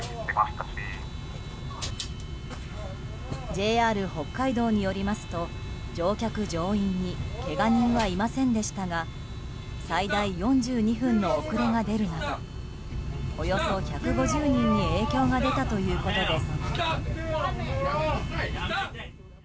ＪＲ北海道によりますと乗客・乗員にけが人はいませんでしたが最大４２分の遅れが出るなどおよそ１５０人に影響が出たということです。